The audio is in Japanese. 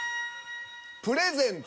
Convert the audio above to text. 「プレゼント」。